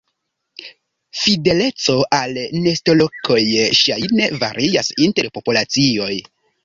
Fideleco al nestolokoj ŝajne varias inter populacioj.